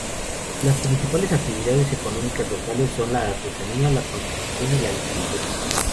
Las principales actividades económicas locales son la artesanía, la construcción y la agricultura.